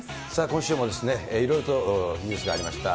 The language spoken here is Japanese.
今週もいろいろとニュースがありました。